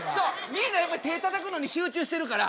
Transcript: みんなやっぱり手ぇたたくのに集中してるから。